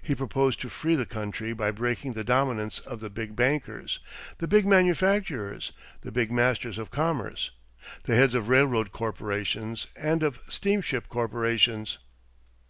He proposed to free the country by breaking the dominance of "the big bankers, the big manufacturers, the big masters of commerce, the heads of railroad corporations and of steamship corporations."